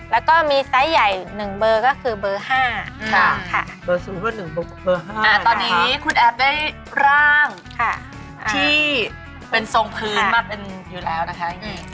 แล้วก็มีไซส์ใหญ่๑เบอร์ก็คือเบอร์๕ค่ะตอนนี้คุณแอฟได้ร่างที่เป็นทรงพื้นมาเป็นอยู่แล้วนะคะ